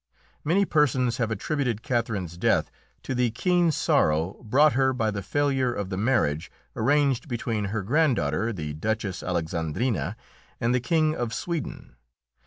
Many persons have attributed Catherine's death to the keen sorrow brought her by the failure of the marriage arranged between her granddaughter, the Duchess Alexandrina, and the King of Sweden.